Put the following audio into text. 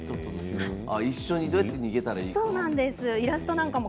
一緒にどうやって逃げたらいいかですね。